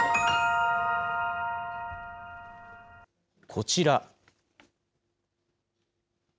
こちら。